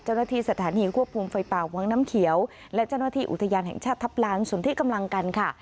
เจ้าหน้าที่สถานีควบคุมไฟป่าวังน้ำเขียวและเจ้าหน้าที่อุทยานแห่งชาติทัพลานสนที่กำลังกันค่ะ